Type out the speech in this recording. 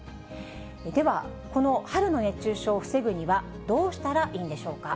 では、この春の熱中症を防ぐにはどうしたらいいんでしょうか。